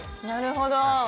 なるほど。